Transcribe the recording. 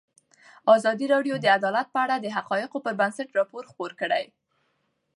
ازادي راډیو د عدالت په اړه د حقایقو پر بنسټ راپور خپور کړی.